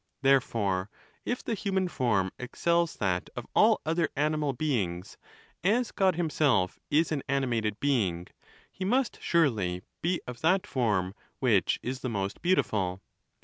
Therefore, if the human form excels that of all other animal beings, as God himself is an animated being, he must surely be of that form which is the most beautiful.